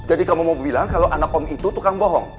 jadi kamu mau bilang kalau anak om itu tukang bohong